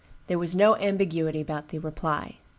There was no ambiguity about the reply.